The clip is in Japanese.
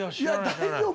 大丈夫。